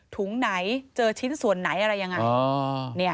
ถุงไหนเจอชิ้นส่วนไหนอะไรยังไง